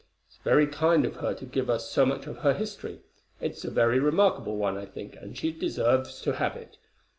It's very kind of her to give us so much of her history. It's a very remarkable one, I think, and she deserves to have it.